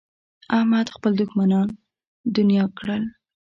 احمد خپل دوښمنان دڼيا کړل.